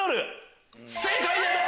正解です！